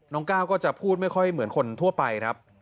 น้องก้าก็จะพูดไม่ค่อยเหมือนคนทั่วไป